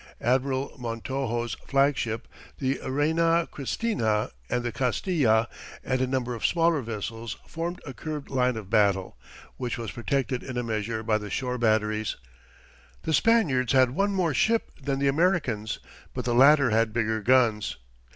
Admiral Montojo's flagship, the Reina Cristina, and the Castilla, and a number of smaller vessels, formed a curved line of battle, which was protected in a measure by the shore batteries. The Spaniards had one more ship than the Americans, but the latter had bigger guns.